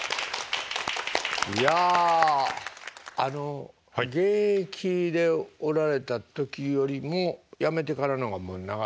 いやあの現役でおられた時よりも辞めてからの方がもう長い？